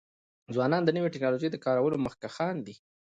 ځوانان د نوې ټکنالوژۍ د کارولو مخکښان دي.